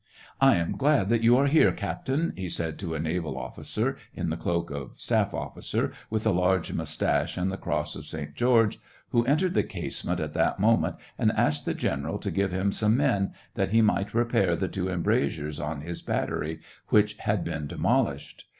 , "I am glad that you are here, captain," he said to a naval officer, in the cloak of staff officer, with a large moustache and the cross of St. George, who entered the casemate at that moment, and asked the general to give him some men, that he might repair the two embrasures on his battery, which had been demolished.